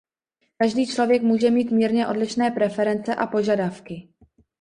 Každý člověk může mít mírně odlišné preference a požadavky.